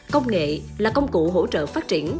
công nghệ là công cụ hỗ trợ phát triển